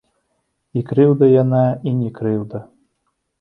І крыўда яна і не крыўда.